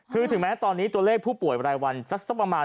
คือถึงแม้ตอนนี้ตัวเลขผู้ป่วยรายวันสักประมาณ